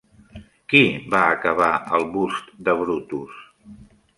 Qui va acabar el Bust de Brutus?